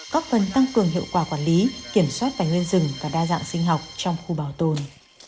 có phần tăng cường hiệu quả quản lý kiểm soát tài nguyên rừng và đa dạng sinh học trong khu bảo tồn